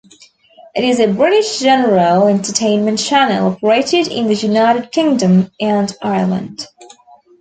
It is a British general entertainment channel operated in the United Kingdom and Ireland.